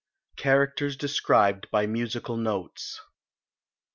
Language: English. CHARACTERS DESCRIBED BY MUSICAL NOTES.